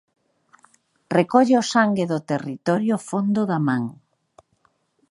Recolle o sangue do territorio fondo da man.